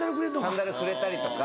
サンダルくれたりとか。